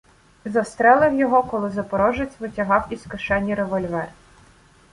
Застрелив його, коли Запорожець витягав із кишені револьвер.